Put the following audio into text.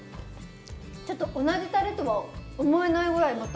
ちょっと同じたれとは思えないぐらいまた。